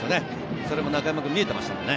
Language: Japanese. それも中山君、見えてましたよね。